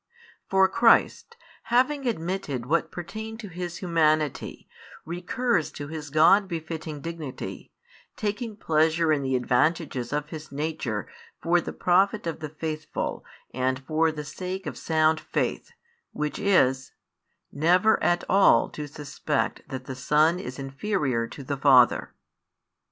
For Christ, having admitted what pertained to His humanity, recurs to His God befitting dignity, taking |102 pleasure in the advantages of His Nature for the profit of the faithful and for the sake of sound faith, which is, never at all to suspect that the Son is inferior to the Father.